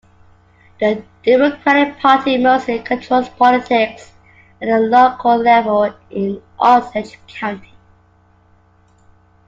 The Democratic Party mostly controls politics at the local level in Osage County.